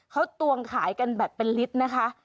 เขาตวงขายกันแบบเป็นลิตรนะคะ